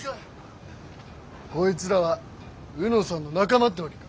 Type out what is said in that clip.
こいつらは卯之さんの仲間ってわけか？